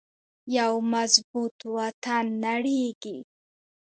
یو مضبوط وطن نړیږي